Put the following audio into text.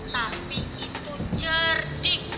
tapi itu cerdik